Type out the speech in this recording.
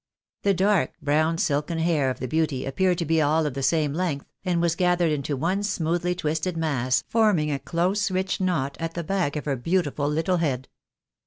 The dark brown silken hair of the beauty appeared to be all of the same length, and was gathered into one smoothly twisted mass, forming a close rich knot at the back of her beautiful little head.